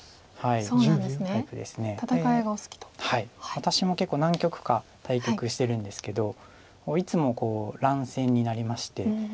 私も結構何局か対局してるんですけどいつも乱戦になりまして。